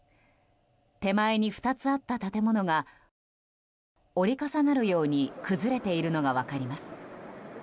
手前に２つあった建物が折り重なるように崩れているのが分かります。